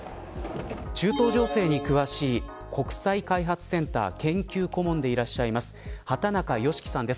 中東情勢に詳しい国際開発センター研究顧問でいらっしゃいます畑中美樹さんです。